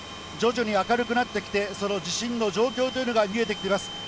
徐々に明るくなってきて、その地震の状況というのが見えてきています。